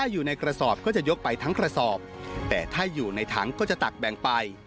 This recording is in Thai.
ยกไปทั้งกระสอบแต่ถ้าอยู่ในถังก็จะตักแบ่งไป